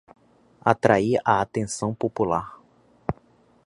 Atrair a atenção popular